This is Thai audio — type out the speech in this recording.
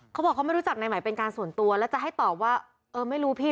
เขาบอกเขาไม่รู้จักนายไหมเป็นการส่วนตัวแล้วจะให้ตอบว่าเออไม่รู้พี่